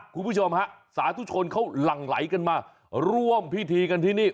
คุณผู้ชมฮะสาธุชนเขาหลั่งไหลกันมาร่วมพิธีกันที่นี่